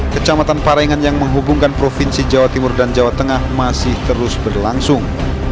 kecamatan parengan yang menghubungkan provinsi jawa timur dan jawa tengah masih terus berlangsung